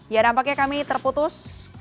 ya nampaknya kami terputus